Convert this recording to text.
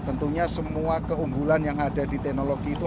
tentunya semua keunggulan yang ada di teknologi itu